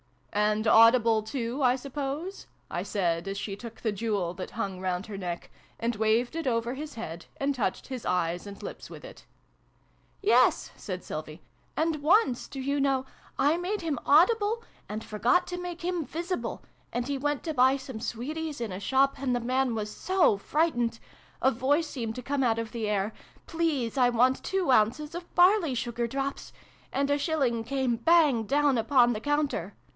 "And audible too, I suppose ?" I said, as she took the jewel, that hung round her neck, and waved it over his head, and touched his eyes and lips with it. " Yes," said Sylvie :" and once, do you know, I made him audible, and forgot to make him visible ! And he went to buy some sweeties in a shop. And the man was so frightened ! A voice seemed to come out of the air, ' Please, I want two ounces of barley sugar drops !' And a shilling came bang down upon the counter